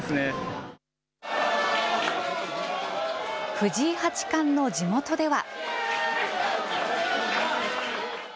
藤井八冠の地元では。